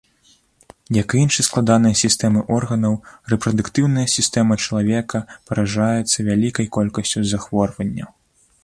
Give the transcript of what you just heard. Як і іншыя складаныя сістэмы органаў, рэпрадуктыўная сістэма чалавека паражаецца вялікай колькасцю захворванняў.